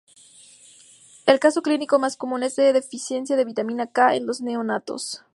El caso clínico más común es la deficiencia de vitamina K en los neonatos.